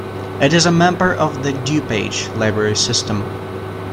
It is a member of the DuPage Library System.